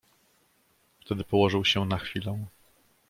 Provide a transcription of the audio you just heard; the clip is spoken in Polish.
"Wtedy położył się na chwilę."